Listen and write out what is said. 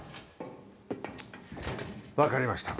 わかりました。